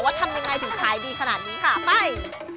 ทำยังไงถึงขายดีขนาดนี้ค่ะไป